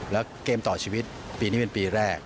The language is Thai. แล้วเกมต่อชีวิตปีนี้เป็นปีแรก